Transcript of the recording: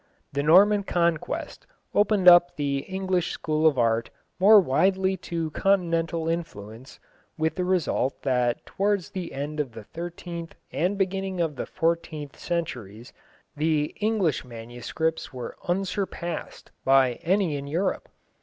The Norman Conquest opened up the English school of art more widely to continental influence, with the result that towards the end of the thirteenth and beginning of the fourteenth centuries the English manuscripts were unsurpassed by any in Europe.